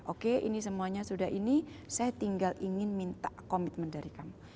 oke ini semuanya sudah ini saya tinggal ingin minta komitmen dari kamu